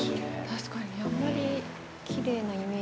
確かにあまりきれいなイメージ。